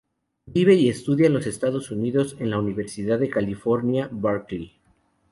Vive y estudia en los Estados Unidos, en la Universidad de California, Berkley.